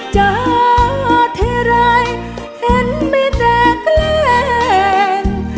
จะเทร่ายเห็นมีแต่แคล้ง